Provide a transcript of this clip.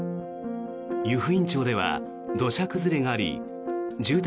湯布院町では土砂災害があり住宅